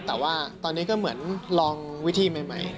แต่ว่าตอนนี้ก็เหมือนลองวิธีใหม่